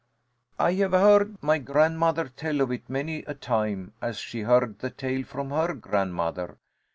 "I have heard my grandmother tell of it, many a time, as she heard the tale from her grandmother.